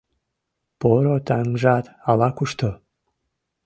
Поро таҥжат ала-кушто?..